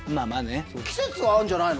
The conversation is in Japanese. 季節はあんじゃないの？